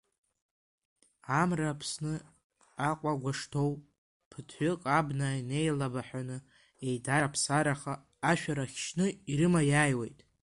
Амра аԥсы ахәага шҭоу, ԥыҭҩык абна инылеибаҳәаны, еидара-ԥсараха ашәарах шьны ирыма иааиуеит.